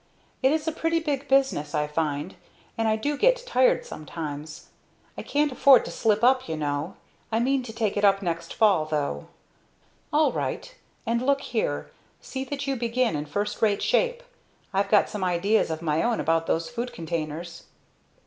"It is a pretty big business I find, and I do get tired sometimes. I can't afford to slip up, you know. I mean to take it up next fall, though." "All right. And look here; see that you begin in first rate shape. I've got some ideas of my own about those food containers."